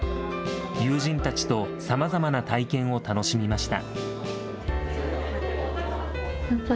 友人たちとさまざまな体験を楽しみました。